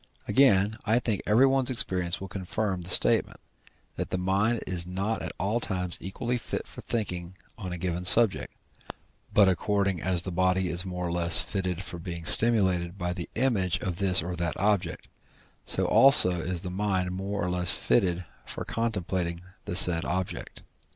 Again, I think everyone's experience will confirm the statement, that the mind is not at all times equally fit for thinking on a given subject, but according as the body is more or less fitted for being stimulated by the image of this or that object, so also is the mind more or less fitted for contemplating the said object.